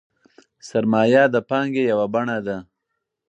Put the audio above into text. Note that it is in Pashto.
سرمایه د پانګې یوه بڼه ده.